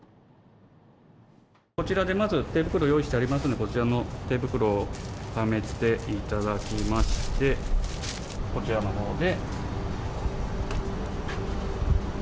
こちらでまず手袋を用意していますのでこちらの手袋をはめていただきましてこちらのほうで。